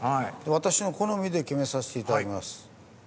私の好みで決めさせて頂きます。